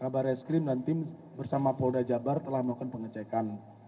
kabar reskrim dan tim bersama polda jabar telah melakukan pengecekan